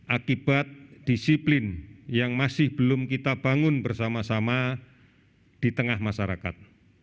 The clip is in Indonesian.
akibat disiplin yang masih belum kita bangun bersama sama di tengah masyarakat